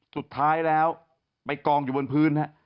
สุดท้ายแล้วไปกองอยู่บนพื้นฮะ